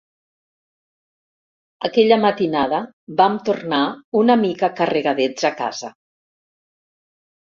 Aquella matinada vam tornar una mica carregadets a casa.